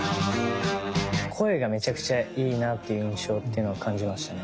声がめちゃくちゃいいなという印象というのを感じましたね。